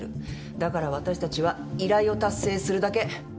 だから私たちは依頼を達成するだけ。